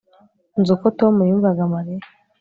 Nzi uko Tom yumvaga Mariya